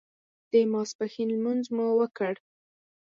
د ماسپښین لمونځ مو وکړ.